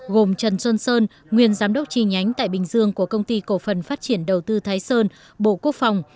gồm trần xuân sơn nguyên giám đốc tri nhánh tại bình dương của công ty cổ phần phát triển đầu tư thái sơn bộ quốc phòng